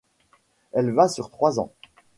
Elle va sur trois ans.